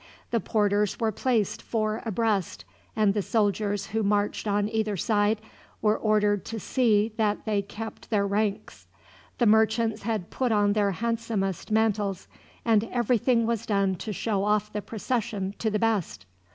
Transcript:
The porters were placed four abreast, and the soldiers who marched on either side were ordered to see that they kept their ranks. The merchants had put on their handsomest mantles, and everything was done to show off the procession to the best.